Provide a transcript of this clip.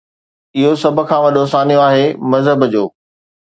اهو سڀ کان وڏو سانحو آهي مذهب جو.